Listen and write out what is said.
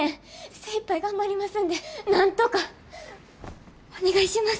精いっぱい頑張りますんでなんとか。お願いします。